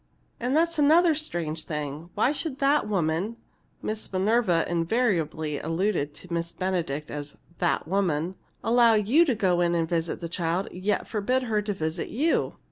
And that's another strange thing why should that woman" (Miss Minerva invariably alluded to Miss Benedict as "that woman") "allow you to go in and visit the child, yet forbid her to visit you?"